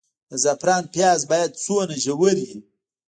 د زعفرانو پیاز باید څومره ژور وي؟